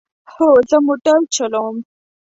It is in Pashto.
هو، زه موټر چلوم